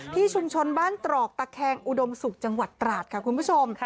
ที่ชุมชนบ้านตรอกตะแคงอุดมศุกร์จังหวัดตราดค่ะคุณผู้ชม